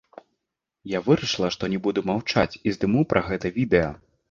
Я вырашыла што не буду маўчаць і здыму пра гэта відэа.